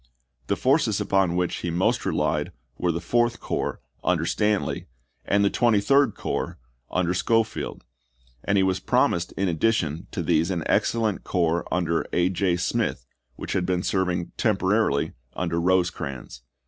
The forces upon which he most relied were the Fourth Corps, under Stanley, and the Twenty third Corps, under Schofield ; and he was promised in addition to these an excellent corps under A. J. Smith, which had been serving temporarily under Rosecrans.